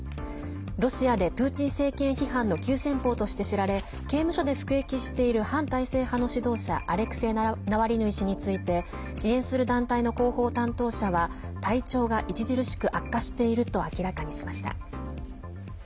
ロシアでプーチン政権批判の急先ぽうとして知られ刑務所で服役している反体制派の指導者アレクセイ・ナワリヌイ氏について支援する団体の広報担当者は体調が著しく悪化していると明らかにしました。